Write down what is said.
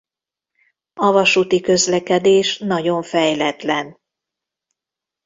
A vasúti közlekedés nagyon fejletlen.